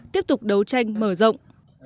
tiếp tục đấu tranh mở rộng